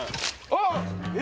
あっ！